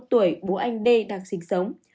bảy mươi một tuổi bố anh d đang sinh sống